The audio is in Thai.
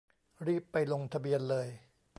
รีบไปลงทะเบียนเลย